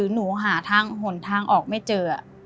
ห่วงทางออกไม่เจอ